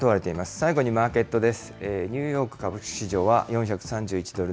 最後にマーケットです。